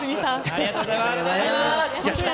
ありがとうございます。